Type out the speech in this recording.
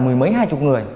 mười mấy hai chục người